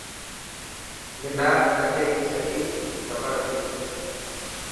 منان اگي هي سڄي کبر هتي.